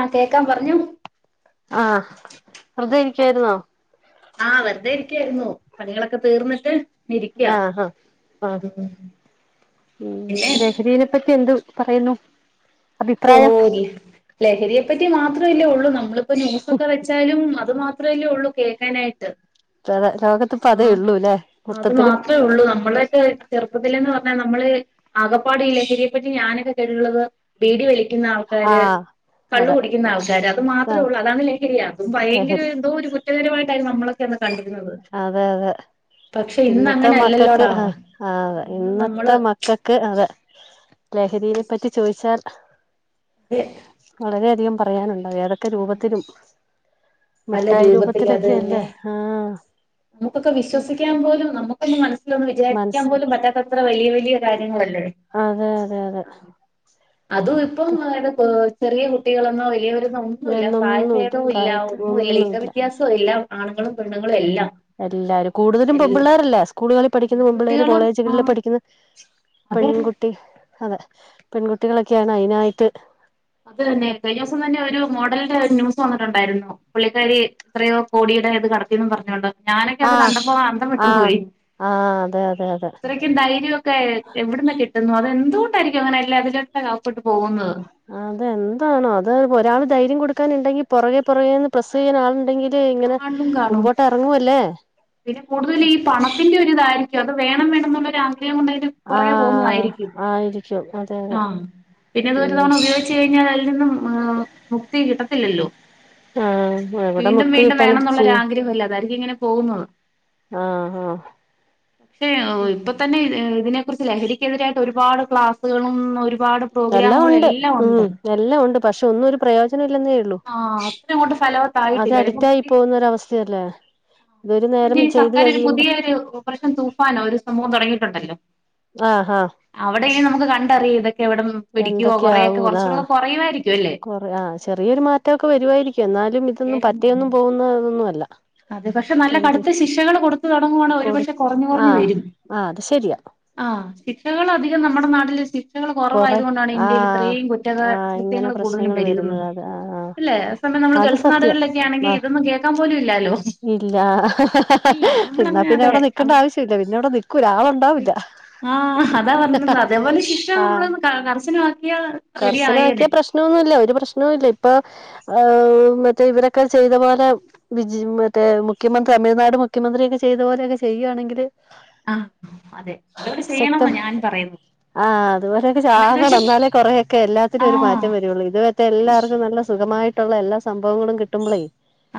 ആഹ് കേക്കാം പറഞ്ഞോ ആഹ വെറുതെ ഇരിക്കായിരുന്നോ ആഹ് വെറുതെ ഇരിക്കായിരുന്നു പണികളൊക്കെ തീർന്നിട്ട് ഇരിക്ക ആഹഹ ആഹ പിന്നെ ഉ രഹതിനെപ്പറ്റി എന്ത് പറയുന്നു അഭിപ്രായം പോല്ല ലഹരിയെ പറ്റി മാത്രമല്ലേ ഉള്ളൂ നമു നമ്മളിപ്പോ ന്യൂസൊക്കെ വെച്ചാലും അത് മാത്രമല്ലേ ഉള്ളൂ കേൾക്കാനായിട്ട് അതെ ലോകത്തിപ്പ അതേ ആഹ ഉള്ളൂല്ലേ അത് മൊത്തത്തില് മാത്രേ ഉള്ളൂ നമ്മളൊക്കെ ചെറുപ്പത്തിലൽന്ന് പറ നമ്മള് ആകപ്പാട് ലഹരിയെപ്പറ്റി ഞാനൊക്കെ കേട്ടിട്ടുള്ളത് ബീടി വലിക്ക ക്കുന്ന ആൾക്കാാര് ആഹ് കള്ള് അതെ കുടിക്കുന്ന ആൾക്കാര് അത് മാത്രേ ആഹ് ഉള്ള അതാണ് ലഹരിയാ അതും ഭയങ്കര ലഹരി എന്തോ കുറ്റകരമായിട്ട നമ്മള അതെ അതെ പക്ഷെ ഇന്ന് ഇന്നത്തെ അങ്ങനെ മക്കൾക്ക് അല്ലല്ലോടാ ആ ഇന്ന് ഇന്നത്തെ നമ്മള് മക്കൾക്ക് അതെ ലഹരീനെപ്പറ്റി അതെ ചോദിച്ചാൽ വളരെയധികം പറയാനുണ്ടാവും ഏതൊക്കെ ആ, രൂപത്തിലും പല മിഠായി രൂപത്തിൽ അത് തന്നെ രൂപത്തിലൊക്കെയല്ലേ നമുക്കൊക്കെ ആഹത് വിശ്വസിക്കാൻ പോലും നമുക്കൊന്ന് മനസ്സിലൊന്ന് വിചാരിക്കാൻ പോലും പറ്റത്തത്ര വലിയ വലിയ കാര്യങ്ങളല്ല അതെ അതെ അതെ ആ അതും ഇപ്പം അതത് ചെറിയ കുട്ടികളൊന്നോ വലിയവരെന്നോ ഒന്നുമല്ല എന്നൊന്നുമില്ല പ്രായഭേദവും ഇല്ല പ്രായത്തി ലിംഗ ഒന്നുമില്ല വെത്യാസം ഇല്ലാ ആണുങ്ങളും പെണ്ണുങ്ങളും എല്ലാം എല്ലാരും കൂടുതലും പെൺ എല്ല പിള്ളേരല്ല സ്കൂളുകളിൽ പഠിക്കുന്ന പെമ്പിള്ളേർ കുട്ടികള് ആ കോളേജുകളിൽ പഠിക്കുന്ന അതെ പെൺകുട്ടി അതെ പെൺകുട്ടികളൊക്കെയാണ് അതിനായിട്ട് അത് തന്നെ കഴിഞ്ഞസം തന്നെ ഒരു മോഡലിന്റെ കാര്യം ന്യൂസിൽ തോന്നിട്ടുണ്ടായിരുന്നു പുള്ളിക്കാരി എത്രയോ കോടിയുടെ ഇത് കടത്തിന്ന് പറഞ്ഞോണ്ട് ഞാനൊക്കെ അത് ആഹ് കണ്ടപ്പോ അന്തം വിട്ടു ആഹ് പോയി ആഹ് അതെ അതെ അതെ ഇത്രയ്ക്കും ധൈര്യൊക്കെ എവിടന്ന് കിട്ടുന്നു അത് എന്തുകൊണ്ടായിരിക്കും അങ്ങനെല്ല അതിലൊക്ക അകപ്പെട്ടു പോകുന്നത് അതെന്താണോ അത് ഒരാൾ ധൈര്യം കൊടുക്കാനുണ്ടെങ്കി പുറകെ പുറകേന്ന് പ്രസ്സ് ചെയ്യാൻ ആളുണ്ടെങ്കിൽ ഇങ്ങനെ ആണിനും കാണും മുമ്പോട്ട് ഇറങ്ങുവല്ലേ പിന്നെ കൂടുതൽ ഈ പണത്തിന്റെ ഒരിതായിരിക്കും അത് വേണം വേണം എന്നുള്ള ഒരാഗ്രഹം അ കൊണ്ട്തിന് കുറേ ആഹ് പോകന്നതയിരിക്കും ആയിരിക്കും അതെ അതെ ആഹ പിന്നെത് ഒരു ഉം തവണ ഉപയോഗിച്ചു കഴിഞ്ഞാൽ അതിൽ നിന്നും മുക്തി കിട്ട ല്ലോ ആഹ് എവിടെ വീണ്ടും മുക്തി വീണ്ടും കിട്ടാന വേണം എന്നുള്ളൊ ചെയ്യ ആഗ്രഹല്ല അതായിരിക്കും ഇങ്ങനെ പോകുന്നത് ആഹ് ആഹ് പക്ഷെ ഇപ്പൊ തന്നെ അതിനെക്കുറിച്ച് ലഹരിക്കെതിരായിട്ട് ഒരുപാട് ക്ലാസ്സുകളും ഒരുപാട് എല്ലാം പ്രോഗ്രാമുകളും ഉണ്ട് ഉം ഉണ്ട് എല്ലാം ഉണ്ട് പക്ഷെ ഒന്നും ഒരു പ്രയോജനം ഇല്ലെന്ന് ഉള്ളു ആഹ് അത്ര അങ്ങോട്ട് അത് ഫലവത്തായിട്ടില്ല അഡിക്റ്റായി അല്ലെങ്കി പോകുന്നൊരവസ്ഥയല്ലേ ഇതൊരു നേരം മറ്റേ ചെയ്ത് സർക്കാര് ഒരു കഴിയുമ്പോ പുതിയ ഒരു ഓപ്പറേഷൻ തൂഫാനോ ഒരു സംഭവം തുടങ്ങിയിട്ടുണ്ടല്ലോ അവിടെ ഇ നമുക്ക് കണ്ടറിയതക്കെ എന്തൊക്കെയ ആകും ആ കുറയുമായിരിക്കും അല്ലേ കൊറ ആ ചെറിയൊരു മാറ്റമൊക്കെ വരുവായിരിക്കും എന്നാലും ഇതൊന്നും മതിയായിരുന്നു പറ്റയൊന്നും ആദ്യം പോകുന്ന ഇതൊന്നുമല്ല അത് പക്ഷെ നല്ല കടുത്ത ശിക്ഷകള് കൊടുത്തു കൊടു ആഹ് ആഹ് അത് ശരിയാ ആഹ ശിക്ഷകൾ അധികം നമ്മുടെ നാട്ടില് ശി കൊറെ കുറവായത കൊണ്ടാണ് ഇന്ത്യയിൽ ആഹ് ഇത്രയും കുറ്റ ആഹ് ഇങ്ങനെ കൃത്യങ്ങൾ കൂടുതലും പ്രശ്നങ്ങള് വരുന്നത് പെരുകുന്നത് അത് ആഹ് ആഹ് അല്ലെ ഇ നമ്മൾ അത് സത്യം ഗൾഫ്നാടുകളിലൊക്കെ ആണെങ്ക ആഹ് ഇതൊന്ന കേൾക്കാൻ പോല ഇല്ലോ ഇല്ല എന്നാ നമ്മളങ്ങനെ പിന്നെ അതെ എവിടെ നിക്കേണ്ട അവിടെ ആവശ്യില്ല പിന്നെ ഇവിടെ നിക്കൂല ആളുണ്ടാവൂില്ല ആഹ അതാ പറഞ്ഞത് അതേപോലെ പക്ഷെ ആഹ് നമ്മള് കർശന ആക്കിയാ റെഡി ആയേനെ ല്ല ഒരു പ്രശ്നവുംല്ല ഇപ്പ മറ്റേ ഇവരൊക്കെ ചെയ്ത പോലെ വിജി മറ്റേ മുഖ്യമന്ത്രി തമിഴ്നട് മുഖ്യമന്ത്രിയക്കെ ചെയ്തു പോലെക്കെ ചെയ്യുകയാണങ്കിൽ ആഹ അതെ അതോടെ ചെയ്യണംന്ന് ഞാൻ പറയുന്നു. അ ചാകണം എന്നാലേ കു കൊറെക്കെ എല്ലാത്തിനും ഒരു ആഹ് മാറ്റം വരുള്ളൂ. ഇത് മറ്റെഎല്ലർക്കുംനല്ല നുഖമായിട്ടുള്ള എല്ലാ സംഭവങ്ങളും കിട്ടുമ്പോളേ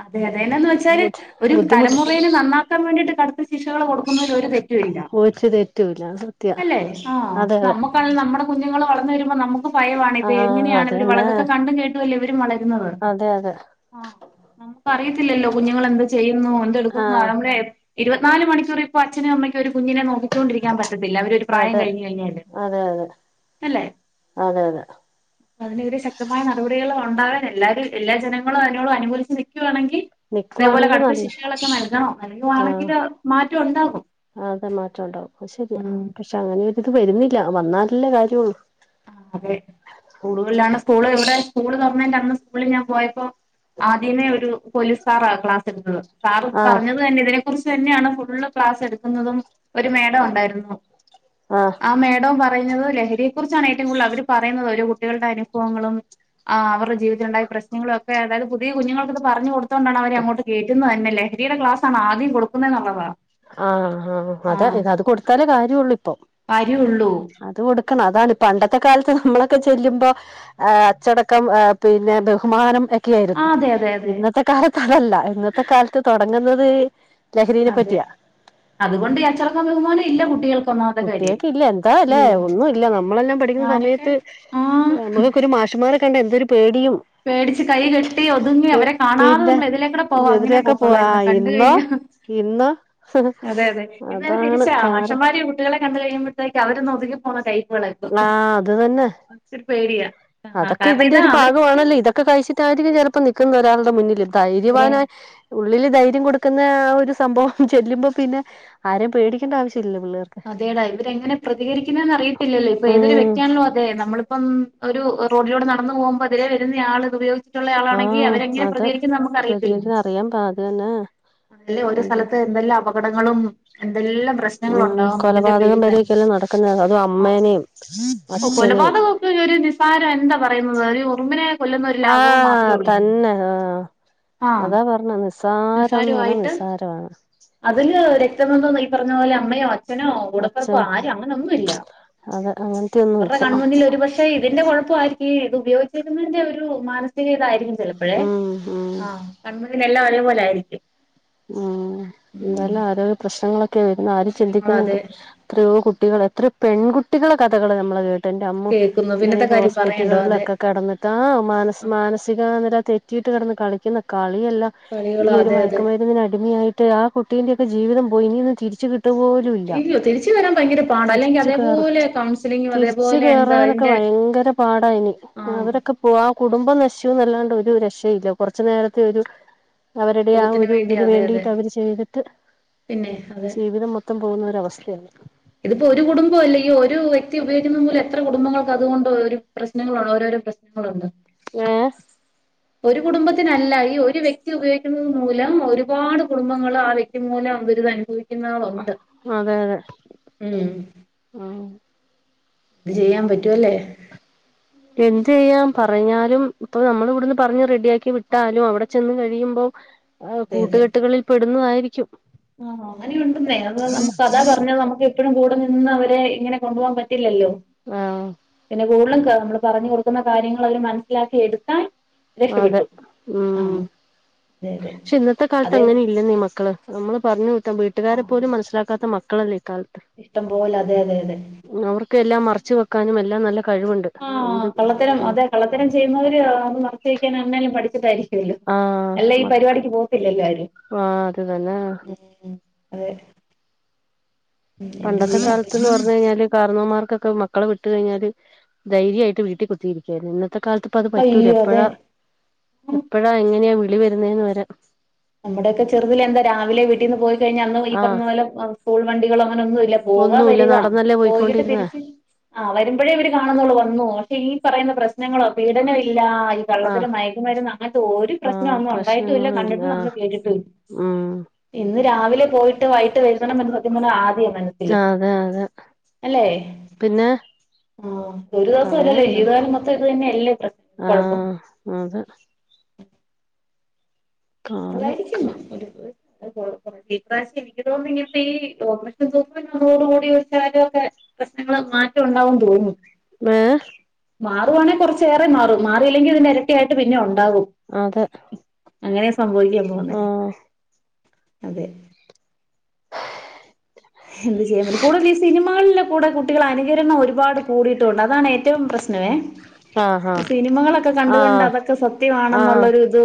അതെ അതെന്താന്ന് വെച്ചാല് ബുദ്ധി ഒരു ബുദ്ധിമുട്ട് തലമുറെ നന്നാക്കാൻ വേണ്ടിട്ട് കടുത്ത ശിക്ഷകള് കൊടുക്കുന്ന ച്ചത് തെറ്റൂല. അല്ലെ ആ നമ്മുക്കണ നമ്മുടെ കുഞ്ഞുങ്ങൾ വളർന്നു വരുമ്പോ നമുക്ക് ഭയമാണത് ആഹ് എങ്ങനെയാണ് അത് ഇവര് തന്നെ വളര്ന്നത്‌ കണ്ടും കേട്ടല്ലേ ഇവർ വളര്ന്നത് അതെ അതെ ആ നമ്മുക്കറിയത്തില്ലല്ലോ കുഞ്ഞുങ്ങളെന്താ ചെയ്യു ന്നോഎടു ആഹ് നമ്മ ഇരുപത്തിനാല് മണിക്കൂർ ഇപ്പൊ അച്നും അമ്മക്കും ഒരു കുഞ്ഞിനെ നോക്കിക്കൊണ്ടിരിക്കാൻ പ പറ്റത്തില്ല അവര് ഒരു പ്രായം അതെ കഴിഞ്ഞു കഴിഞ്ഞാല്, അതെ അതെ അതെ അല്ലേ? അതെ അതെ അതിനെതിരെ ശക്തമായ നടപടികൾ വേ ഉണ്ടാവാൻ എല്ലാരും എല്ലാ ജനങ്ങളും അതിനോട് അനുകൂലച്ച് നിൽക്കുയാണെങ്കിൽ ഇതേപോലെ നിക്കുവാണെങ്കി കടുത്ത നല്ല ശിശകളൊക്കെ ആഹ് നൽകണംനൽകുവാണെങ്കില് മാറ്റം ഉണ്ടാകും. അതെ മാറ്റം ഉണ്ടാവും. അ ശരിയാ, ഉം പക്ഷെ അങ്ങനെരിത് വരുന്നില്ല വന്നാലല്ലേ കാര്യള്ളു. ആ അതെ കൂടുതലാണ് സ്കൂള് ഇവിടെ സ്കൂള് തൊർണേന്റെ ന്ന് സ്കൂള ഞാൻ പോയപ്പോ ആദ്യമേ ഒരു പോലീസ് സാറാ ക്ലാസ് എടുത്തത് സാർ ആഹ് പറഞ്ഞത് തന്നെ ഇതിനെ കുറിച്ച് ഇതന്നെ ഫുള്ള് ക്ലാസെടുക്കുന്നതും ഒരു മേഡംഉണ്ടായിരുന്നു. ആഹ് ആ മേഡം പറയുന്നത് ലഹരിയെ കുറിച്ചാണ് ഏറ്റവും കൂടുതൽ അവര് പറയുന്നത് ഓരോ കുട്ടികളുടെ അനുഭവങ്ങളും ആ അവരുടെ ജീവിതത്തിലുണ്ടായ പ്രശ്നങ്ങളൊക്കെ അതായത് പുതിയ കുഞ്ഞങ്ങൾക്കത് പറഞ്ഞഞ് കൊടുക്കു അതൊണ്ടാണ് അവര് അങ്ങോട്ട് കേയറ്റുന്നത്തന്നെ ലഹരിയുടെ ക്ലാസ്സാണ് ആദ്യം കൊടുക്കുന്നത് എന്നൊക്കെ പറഞ്ഞ് ആഹ ആ അതേഅത് കൊടുത്താലേ കാര്യംള്ളൂ ഇപ്പൊ ആഹ് വരുള്ളൂ അത് കൊടു അതാണ് ഇപ്പ പണ്ടത്തെ കാലത്ത് നമ്മളൊക്കെ ചെല്ലുമ്പോൾ അച്ചടക്കം പിന്നെ ബഹുമാനം ആ യിരുന്നു അതെ അതെ അതെ ഇന്നത്തെ കാലത്തതല്ല ഇന്നത്തെ കാലത്ത് അതെ തുടങ്ങുന്നത് ലഹരിനെ അതെ പറ്റിയാ അതുകൊണ്ട് ഈ അച്ചടക്കം ബഹുമാനം ഇല്ല കുട്ടികൾക്ക് ഒന്നാമത്തെ കാര്യം കുട്ടികളെക്കെ ഇല്ല എന്താ അല്ലേ ഇല്ല ഒന്നും ഇല്ല നമ്മളെന്നെ പഠിക്കുന്ന ഞാനൊക്കെ സമയത്ത് ആഹ് നമുളൊക്കൊരു മാഷ്മാരെ കണ്ട എന്തരുപേടി നിയും പേടിച്ച് കൈ കെട്ടി ഒതുങ്ങി അവരെ കാണാതെ പിന്നെ നമ്മൾ എതിലേക്കൂടെ പോവാ അങ്ങനെ ഇവരൊക്കെ പോത്തോളായിരുന്നു കണ്ട് വായിന്നോ? കഴിഞ്ഞ ഇന്ന് അതെ അതെ ഇന്ന് അത് അതാണ് തിരിച്ചാ കാറ് മഷമ്മാര് കുട്ടികളെ കണ്ട് കഴിയുമ്പോഴ്ത്തേക്ക് അവരൊന്ന് ഒതുങ്ങി പോക്ന്ന ടൈപ്പാ ആഹ് അത് തന്നെ പേടിയാ ആ അതൊക്കെ കാരണം ഇതിന്റെ ഇതാ ഒരു അവര് ഭാഗമായി കുട്ടി ണല്ലേ ഇതൊക്കെ കഴിച്ചിട്ടായിരിക്കും ചിലപ്പോ നിക്കുന്നെ ആ, ഒരാളുടെ മുന്നിൽ ഇവരെ ധൈര്യവാനായി ഉള്ളില് ധൈര്യം കൊടുക്കുന്ന ഒരു സംഭവം ചെല്ലുമ്പോ പിന്നെ ആരെയും പേടിക്കേണ്ട ആവശ്യ അതെടാ ഇവരെങ്ങനെ പ്രതികരിക്കുന്നെന്ന് അറിയത്തില്ലല്ലോ ഇപ്പൊ ഏതൊരു ഉം വ്യക്തിയാണെലു അതെ നമ്മളിപ്പം ഒരു റോഡിലൂടെ നടന്നു പോകുമ്പോൾ എതിരെ വരുന്നെ ആള് ഉപയോഗിച്ചിട്ടുള്ള ആളാണെങ്കിൽ ആഹ് അവരെങ്ങനെ അതെ പ്രതികരിക്കുംന്ന് നമ്മക്ക് അറിയത്തില്ലല്ലൊ പ്രതികരിക്കാൻ അറിയാൻ പാ അത് തന്നെ അതല്ലേ എന്ത് ഓരോസ്ഥലത്ത് എന്തെല്ലാം അപകടങ്ങളും എന്തെല്ലാം പ്രശ്നങ്ങളും ഉം ഉണ്ട് കൊലപാതകം ഇതിന്റെപേരിതന്നെ വരെയൊക്കെയല്ലേ നടക്കുന്നത് അതും ആ അമ്മേനെയും ഓ അച്ഛനെയും കൊലപാതകൊക്കെയൊരു നിസാരായ് എന്താ പറയുന്നത് ഒരു ഉറുമ്പിനെ കൊല്ലുന്ന ഒരു ലാഘവം മാത്രേ ആഹ് ഉള്ളു തന്നെ ആഹ് [unintelligible] അതാ പറഞ്ഞെ നിസ്സാരംന്ന് പറഞ്ഞാ നിസ്സാരാണ്. അതില് രക്തബന്ധംന്നോ ഈ പറഞ്ഞ പോലെ അമ്മയോ അഛ അച്ഛനോ അച്ച കൂടപ്പെറപ്പോ ആരും അങ്ങനൊന്നുംല്ല. അത് അവരുടെ അങ്ങനത്തെയൊന്നുംല്ല കണ്മുന്നിൽ ഒരുപക്ഷെ ഇതിന്റെ കൊഴപ്പായിരിക്കും. ഇത് ഉപയോഗിച്ചരുന്നതിന്റെ ഒരു മാനസിക ഇതായിരിക്കും ചിലപ്പോയേ ഉം ഉം ആ കൺമുന്നില് ല്ലാം അരുപോലെയായിരിക്കും. ഉം എന്തായാലും ആരോഗ്യ പ്രശ്നങ്ങൾ ഉം ആരും പ്രശ്നങ്ങള് ചിന്തിക്കുന്നില്ല അത് എത്രയോ കുട്ടികൾ എത്രയോ പെൺകുട്ടികളെ കഥകൾ നമ്മള് കേട്ട എന്റെ അമ്മോ കേൾക്കുന്നു ഇങ്ങനെ പിന്നത്തെ കാര്യം പറയണ്ടോ അതെ ഹോസ്പിറ്റലുകളിലൊക്കെ കിടന്നിട്ടാ ആ മാനസ് മാനസികനില തെറ്റി ട്ട്കിടന്ന് കളിക്കുന്ന കളിയെല്ലാം ഈ കളികളോ ഒരു അതെ അതെ മയക്കുമരുന്നിന് അടിമയായിട്ട് ആ കുട്ടീന്റെറെ ജീവിതം പോയി ഇനി ഒന്ന് തിരിച്ച് കി ട്ട് പോലുല്ല ഇയ്യോ തിരിച്ചു വരാൻ ഭയങ്കര പാടാ അല്ലെങ്കിൽ തിരിച്ച് കേറ അതേപോലെ കൗൺസിലിങ്ങും തിരിച്ച് അതേപോലെ എന്താ കേറാനൊക്കെ [unintelligible] അതിന്റെ ഭയങ്കര പാടാഅയ്ന് ആ ആഹ് അവരൊക്കെ പോ ആ കുടുംബം നഷ് നല്ലാണ്ട് ഒരു രക്ഷയില്ല കുറച്ച് നേരത്തെ ഒരു അവരുടെ ആ സുഖത്തിന് ഒരു വേണ്ടി അതിന് അതെ അതെ വേണ്ടിയിട്ട് അവര് ചെയ്തിട്ട് പിന്നെ അതെ ജീവിതം മൊത്തം പോകുന്ന ഒരവസ്ഥയാണ് ഇതിപ്പോ ഒരു കുടുംബം അല്ലെ ഈ ഒരു വ്യക്തി ഉപയോഗിക്കുന്നത് കൊണ്ട് എത്ര കുടുംബങ്ങൾക്ക് അതുകൊണ്ട് ഒരു പ്രശ്നങ്ങളാണ് ഓരോ പ്രശ്നങ്ങളുണ്ട് ഏ ഒരു കുടുംബത്തിനല്ല ഈ ഒരു വ്യക്തി ഉപയോഗിക്കുന്നത് മൂലം ഒരുപാട് കുടുംബങ്ങൾ ആ വ്യക്തി മൂലം [unintelligible] അതെ അതെ ഉം ഉം ഇത് ചെയ്യാൻ പറ്റുവല്ലേ എന്ത് ചെയ്യൻ പറഞ്ഞാലും ഇപ്പൊ നമ്മൾ ഇവിടുന്ന് പറഞ്ഞ് റെഡിയാക്കി വിട്ടാലും അവിടെ ചെന്ന് കഴിയുമ്പോ ആ കൂട്ടുകെട്ടുകളിൽ പെടുന്നതായിരിക്കും ആഹ അങ്ങനെയ ഉണ്ടെന്നെ അത് നമുക്ക് അതാ പറഞ്ഞ നമുക്ക് എപ്പോഴും കൂടെ നിന്ന് അവരെ ഇങ്ങനെ കൊണ്ടുപോകാൻ പറ്റില്ലല്ലോ ആഹ് സക്കൂളിൽ നമ്മള് പറഞ്ഞ് കൊടുക്കുന്ന കാര്യങ്ങൾ അവര് മനസ്സിലാക്കി എടുത്താൽ അതെ രക്ഷപ്പെട്ടു ഉം ആഹ് അതെ അതെ പക്ഷെ ഇന്നത്തെ കാലത്ത് അതെ അങ്ങനെ ഇല്ല ന്നീ മക്കള് നമ്മള് പറഞ്ഞു വിട്ടാ വീട്ടുകാരെ ആഹ് പോലും മനസ്സിലാക്കാത്ത മക്കളല്ലേ ക്കായിട്ട് ഇഷ്ടം പോലെ അതെ അതെ അതെ മ് അവർക്ക് എല്ലാം മറച്ച് വെക്കാനും എല്ലാം നല്ല കഴിവുണ്ട് ആഹ് എന്ത് കള്ളത്തരം അതെ കള്ളത്തരം ചെയ്യുന്ന [unintelligible] [unintelligible] പഠിച്ചിട്ടായിരിക്കുഅല്ലോ ആഹ് അല്ലേ ഈ മ പരിപാടിക്ക് പോകത്തില്ലല്ലോ ആരും ആഹ് അത് തന്നാ ഉം അതെ ഉം എന്ത് പണ്ടത്തെ ചെയ്യാൻ കാലത്ത്ന്ന് പറ്റും പർഞ്ഞഴിഞ്ഞാല്. കാരണവന്മാർക്കൊക്കെ മക്കളെ വിട്ട് കഴിഞ്ഞാല് ധൈര്യമായിട്ട് വീട്ടിൽ കുത്തിയിരിക്കുകയായിരുന്നു ഇന്ന് ത്തെ കാലത്ത് ഇപ്പ അത് പറ്റൂല അയ്യോ അതെ എപ്പഴാ എപ്പഴാ എങ്ങനെയാ വിളി വരുന്നതന്ന് വരെ നമ്മുടെയൊക്കെ ചെറുതില് എന്താ രാവിലെ വീട്ടീന്ന് പോയി കഴിഞ്ഞാൽ അന്ന് ഈ പറഞ്ഞ ആഹ് പോല സ്കൂൾ വണ്ടികളും അങ്ങനൊന്നുമല്ല പോവാ ഒന്നുല്ല വരിക നടന്നല്ലേ പോയികിട്ട് പോയിക്കൊണ്ടിരുന്നേ തിരിച്ച് ആഹ് വരുമ്പോഴേ ഇവര് കാണുന്നുള്ളൂ വന്നു പക്ഷെ ഈ പറയുന്ന പ്രശ്നങ്ങളോ പീഡന ഇല്ലാ ഈ ആഹ് കള്ളത്തരം മയക്കുമരുന്ന് അങ്ങനത്തെ ഒരു പ്രശ്നം ആഹ് ഒന്നും ഉണ്ടായിട്ടും ഇല്ല പ്രശ്നങ്ങളും കണ്ടിട്ട് ന ആഹ് കേട്ടിട്ട് ഉം ഇന്ന് രാവിലെ പോയിട്ട് വൈട്ട് വരുന്നണം വരെ സത്യം പറഞ്ഞാ ആദിയാണ് മനസ്സില് അതെ അതെ അല്ലേ പിന്നെ ആഹ് ഒരു ദിവസം അല്ലല്ലോ പറയാനുണ്ടോ ജീവിതകാലം മൊത്തം ഇത് തന്നെയല്ലേ പ്രശ്ന കുഴപ്പം [inaudible] ആഹ് അതെ കാലം അതായിരിക്കും ഒരു ഈ പ്രാവശം എനിക്ക് തോന്നുന്നു ഇങ്ങനത്തെ ഈ ഓപ്പറേഷൻ തൂഫാൻ വന്നതോടു കൂടി ഒരു കാര്യൊക്കെ പ്രശ്നങ്ങൾ മാറ്റം ഉണ്ടാവുമെന്ന് തോന്നുന്നു ഏഹ് മാറുവാണെിൽ കുറച്ചേറെ മാറും മാറിയില്ലെങ്കിൽ ഇതിന് ഇരട്ടിയായിട്ട് പിന്നെ ഉണ്ടാവും അതെ അങ്ങനെയ സംഭവിക്കാൻ പോന്നെ ആഹ് അതെ എന്ത് ചെയ്യാൻ പറ്റും കൂടുതൽ ഈ സിനിമകളിലെ കൂടെ കുട്ടികൾ അനുകരണം ഒരുപാട് കൂടിയിട്ടുണ്ട് അ താണ് ഏറ്റവും പ്രശ്നമേ ആഹ് ആഹ് ഈ സിനിമകളൊക്കെ കണ്ട് കണ്ട് ആഹ് അതൊക്കെ ആഹ് സത്യമാണെന്നുള്ളരു ഇത്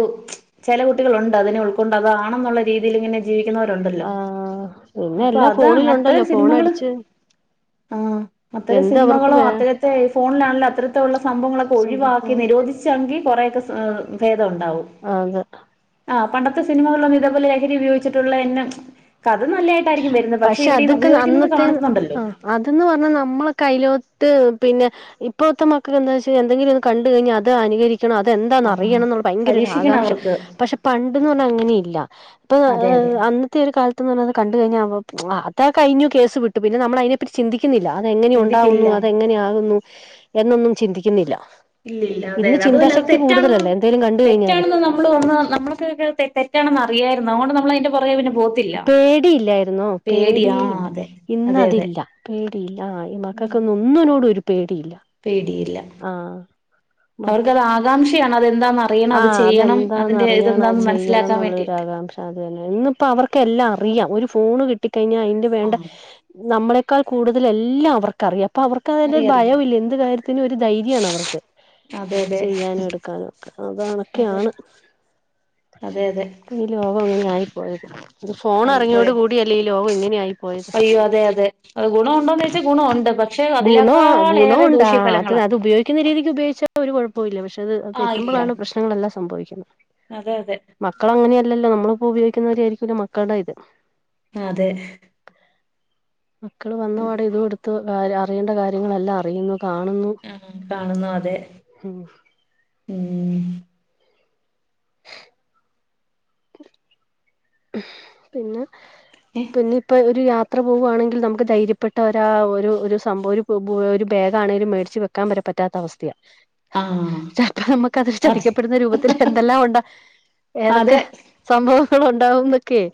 ചില കുട്ടികളുണ്ട് അതിനെയുൾക്കൊണ്ട്, അതാണെന്നുള്ള രീതിയിലിങ്ങനെ ജീവിക്കുന്നവരുണ്ടല്ലോ ആഹ് പിന്നെ അപ്പൊ എല്ലാം അത് അത്തരം ഫോണിലുണ്ടല്ലോ സിനിമകള് ഫോണടിച്ച് ആഹ് അത്തരം എന്ത് അവർക്ക് സിനിമകളും വേ അത്തരത്തെ ഫോണിലാണല്ലോ അത്തരത്തിലുള്ള സംഭവങ്ങളൊക്കെ ഒഴിവാക്കി സംഭവം നിരോധിച്ചെങ്കിൽ കുറെയൊക്കെ സ ഏഹ് ഭേ തം ഇതുണ്ടാവും അതെ ആഹ് പണ്ടത്തെ സിനിമകളിലൊന്നും ഇതേപോലെ ലഹരി ഉപയോഗിച്ചിട്ടുള്ള എന്നെ കഥ നല്ലതായിട്ടായിരിക്കും വരുന്നത് പക്ഷെ ഇവര് ഇത് അതൊക്കെ ഉപയോഗിക്കുന്നത് അന്നത്തെ കാണുന്നുണ്ടല്ലോ ആഹ് അതന്ന് പറഞ്ഞാൽ നമ്മളെ കൈലോ ട്ട് പിന്നെ ഇപ്പോഴത്തെ മക്കക്ക് എന്താന്ന് വെച്ചാൽ എന്തെങ്കിലും ഒന്നുകണ്ട് കഴിഞ്ഞാൽ അത് അനുകരി ക്കണം അതെന്താന്ന് ആഹ് അറിയണം എന്നുള്ള ഭയങ്കര ഒരു പരീക്ഷിക്കണം ആകാംക്ഷ. അവർക്ക് പക്ഷെ പണ്ടെന്ന് പറഞ്ഞാൽ അങ്ങനെയില്ല. ഇപ്പം അതെ അതെ അന്നത്തെ ഒരു കാലത്തെന്നു പറഞ്ഞാ അത് കണ്ടു കഴിഞ്ഞാ അത് കഴിഞ്ഞു കേസ് വിട്ടു പിന്നെ നമ്മളതിനെപ്പറ്റി ചിന്തി ക്കുന്നില്ല അതെങ്ങനെയ ഉണ്ടാവുന്നു ചിന്തിക്കില്ല അതെങ്ങനെയാകുന്നു എന്നൊന്നും ചിന്തിക്കുന്നില്ല. ഇല്ലില്ല അതെ ഇന്ന് അതുമല്ല അത് ചിന്താശക്തി തെറ്റാണെന്ന് കൂടുതലല്ലേ എന്തേലും കണ്ട് കഴിഞ്ഞാല് തെറ്റാണെന്ന് നമ്മള് വന്ന് നമ്മൾക്കൊക്കെ തെറ്റാണെന്ന് അറിയായിരുന്നു. അതുകൊണ്ട് നമ്മളതിൻ്റെ പുറകെ പിന്നെ പോ പേടിയില്ലായിരുന്നോ? ആഹ് പേടിയെയില്ല അതെ അതെ അതെ ഇന്നതില്ല പേടിയില്ല ഈ മക്ക ക്ക് ഒന്നിനോടുമൊരു പേടിയില്ല. ആഹ് അവർക്കത് ആകാംക്ഷയാണ് അതെന്താന്നറിയാൻ ആഹ് അതെന്താന്നറിയാൻ അത് മനസ്സിലാക്കാൻ ചെയ്യണമെന്നുള്ള ഒരു വേണ്ടിയിട്ട് ആകാംക്ഷ അത് തന്നെ. ഇന്നിപ്പോ അവർക്ക് എ ല്ലാം അറിയാം. ഒരു ഫോണ് കിട്ടിക്കഴിഞ്ഞാൽ അതിന്റെ വേണ്ട ആഹ് നമ്മളെക്കാൾ കൂടുതൽ എല്ലാമവർക്കറിയാം. ഇപ്പൊ അവർക്ക് അതിന്റെ ഒരു അറിയ അറിയ ഭയവും ഇല്ല എന്ത് കാര്യത്തിനും ഒരു ധൈര്യമാണവർക്ക് അതെ അതെ ചെയ്യാനും എടുക്കാനും. അതാണക്കെയാണ് അതെ അതെ ഈ ലോകം അങ്ങനായിപ്പോയത്. ഈ ഫോൺ ഇറങ്ങിയോട് ആയിപ്പോയത് കൂടിയല്ലേ ഈ ലോകം ഇങ്ങനെയായിപ്പോയത്. അയ്യോ അതെ അതെ അത് ഗുണം ഉണ്ടോന്ന് ചോദിച്ചാൽ ഗുണമുണ്ട് പക്ഷെ ഗുണവാ അതിനേക്കാളേറെ ഗുണവുണ്ട്. അത് ദൂഷ്യഫലങ്ങളാ അത് ഉപയോഗിക്കുന്ന രീതിക്ക് ഉപയോഗിച്ചാൽ ഒരു കുഴ പ്പോവുമില്ല പക്ഷെ അത് അത് ആഹ് ഇല്ല തെറ്റുമ്പോഴാണ് പ്രശ്നങ്ങളെല്ലാം സംഭവിക്കുന്നത്. അതെ അതെ മക്കളെങ്ങനെ യല്ലല്ലോ നമ്മളിപ്പോ ഉപയോഗിക്കുന്നാതിരിആയിരിക്കൂല മക്കളുടെയിത്. ആഹ് അതെ മക്കൾ വന്നപാടെ ഇതും എടുത്ത് അറിയേണ്ട കാര്യങ്ങളെല്ലാം അറിയുന്നു. കാണുന്നു ആഹ് ആഹ് കാണുന്നു അതെ ഉം ഊം പിന്നെ ഏഹ് പിന്നിപ്പൊ ഒരു യാ ത്ര പോകുയാണെങ്കിൽ നമുക്ക് ധൈര്യപ്പെട്ട ഒരാ ഒരു ഒരു സംഭവം ഒരു ഒരു ബാഗ് ആണെങ്കിലും മേടിച്ച് വെക്കാൻവരെ പറ്റും. പറ്റാത്ത അവസ്ഥയാ ആഹ് പക്ഷെ അപ്പൊ നമുക്ക് അതിൽ അതെ ചതിക്കപ്പെടുന്ന രൂപത്തിൽ എന്തെല്ലാം ഒണ്ട്? ഏതൊക്കെ അതെ സംഭവങ്ങളു ണ്ടാവുന്നൊക്കെയെ?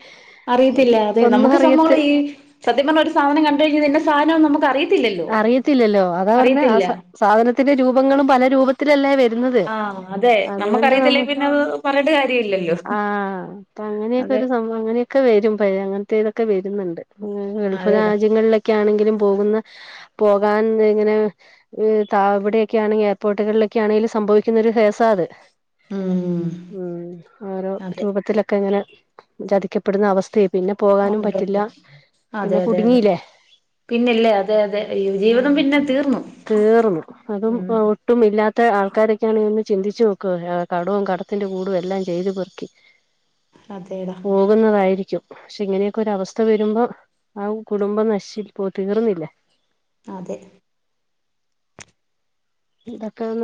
അറിയത്തില്ല അതെ നമുക്ക് സംഭവങ്ങൾ ഈ സത്യം പറഞ്ഞാൽ ഒരു സാധനം കണ്ട് കഴിഞ്ഞൽ ഇന്ന സാധനമെന്ന് നമുക്ക് അറിയത്തില്ലല്ലോ അറിയത്തില്ലല്ലോ അതാ പറഞ്ഞെ ആ അറിയത്തില്ല സ സാധനത്തിന്റെ രൂപങ്ങളും പല രൂപത്തിലല്ലേ വെരു രുന്നത് ആഹ് അതെ അതുകൊണ്ട് നമ്മക്കറിയത്തില്ലേ നമു പിന്നെ അത് പറഞ്ഞിട്ട് കാര്യല്ലല്ലോ ആ അങ്ങനെയൊ അതെ [unintelligible] സംഭവം അങ്ങനൊക്കെ വരും പഴേ അങ്ങനത്തേത് ഒക്കെ വരുന്നുണ്ട് ഗൾഫ് അതേടാ രാജ്യങ്ങളിലൊക്കെ ആണെങ്കിലും പോകുന്ന പോകാൻ ഇങ്ങനെ ത ഇവിടെയൊക്കെയാണെങ്കി എയർപോർട്ടുകളിലൊക്കെ യാണെങ്കിലും സംഭവിക്കുന്ന ഒരു കേസാത്. ഉം ഉം ഓരോ അതെ രൂപത്തിലൊക്കെ ഇങ്ങനെ ചതിക്കപ്പെടുന്ന അവസ്ഥയേ പിന്നെ പോകാനും ഉണ്ട് പറ്റില്ല ഉണ്ട് പിന്നെ അതെ അതെ അതെ കുടുങ്ങീല്ലേ? പിന്നില്ലേ അതെ അതെ അയ്യോ ആ ജീവിതം പിന്നെ തീർന്നു തീർന്നു അതും ഉം ഒട്ടും ഇല്ല ഇല്ലാത്ത ആൾക്കാരൊക്കെയാണന്ന് ചിന്തിച്ചു നോക്കു, കടവും കടത്തിന്റെ കൂടും എല്ലാം ചെയ്ത് പെറുക്കി അതേടാ പോകുന്നതായിരിക്കും പക്ഷെ ഇങ്ങനെയൊക്കെ ഒരു അവസ്ഥ വരുമ്പോ, ആ കുടുംബം നശി പോ തീർന്നില്ലേ അതെ ഇതൊക്കെയൊന്ന്